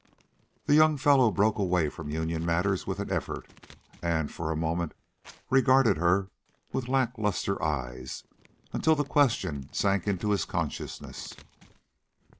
The young fellow broke away from union matters with an effort, and for a moment regarded her with lack luster eyes, until the question sank into his consciousness.